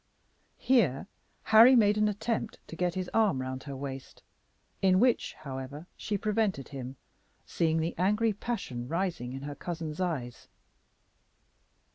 Here Harry made an attempt to get his arm round her waist, in which, however, she prevented him, seeing the angry passion rising in her cousin's eyes.